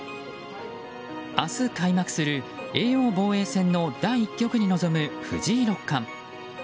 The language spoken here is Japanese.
明日、開幕する叡王防衛戦の第１局に臨む藤井六冠。